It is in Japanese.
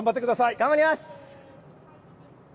頑張ります。